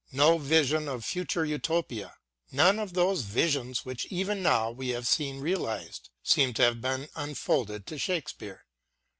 No vision of future Utopia, none of those visions which even now we have seen realised, seem to have been unfolded to Shake speare.